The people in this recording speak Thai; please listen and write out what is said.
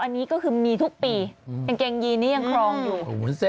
อันนี้ก็คือมีทุกปีกางเกงยีนนี่ยังครองอยู่